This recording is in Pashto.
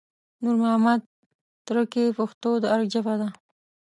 نور محمد تره کي پښتو د ارګ ژبه کړه